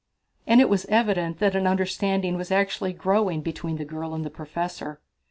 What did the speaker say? And it was evident that an understanding was actually growing between the girl and the professor.